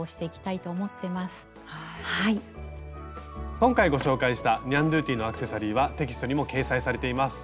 今回ご紹介したニャンドゥティのアクセサリーはテキストにも掲載されています。